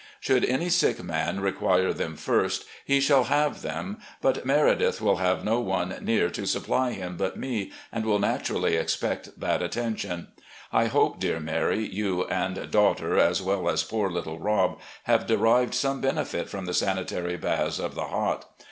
Should any sick man require them first, he shall have them, but Meredith will have no one near to supply him but me, and will naturally expect that attention. I hope, dear Mary, you and daughter, as well as poor little Rob, have derived some benefit from the sanitary baths of the Hot.